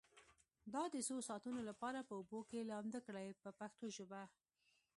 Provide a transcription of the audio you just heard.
دا د څو ساعتونو لپاره په اوبو کې لامده کړئ په پښتو ژبه.